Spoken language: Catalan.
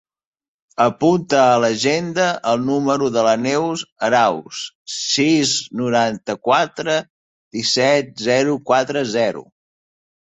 Apunta a l'agenda el número de la Neus Arauz: sis, noranta-quatre, disset, zero, quatre, zero.